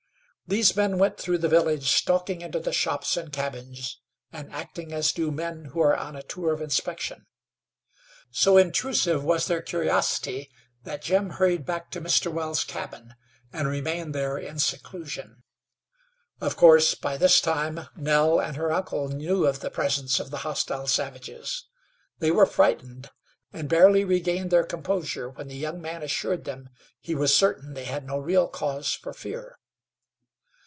These men went through the village, stalking into the shops and cabins, and acting as do men who are on a tour of inspection. So intrusive was their curiosity that Jim hurried back to Mr. Well's cabin and remained there in seclusion. Of course, by this time Nell and her uncle knew of the presence of the hostile savages. They were frightened, and barely regained their composure when the young man assured them he was certain they had no real cause for fear.